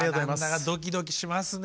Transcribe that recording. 何だかドキドキしますね。